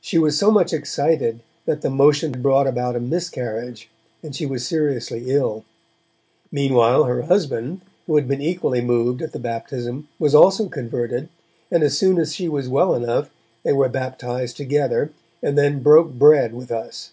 She was so much excited, that the motion brought about a miscarriage and she was seriously ill. Meanwhile, her husband, who had been equally moved at the baptism, was also converted, and as soon as she was well enough, they were baptized together, and then 'broke bread' with us.